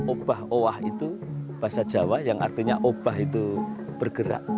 obah obah itu bahasa jawa yang artinya obah itu bergerak